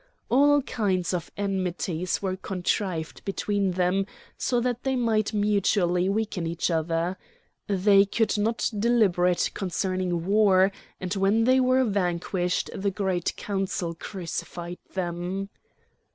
All kinds of enmities were contrived between them, so that they might mutually weaken each other. They could not deliberate concerning war, and when they were vanquished the Great Council crucified them.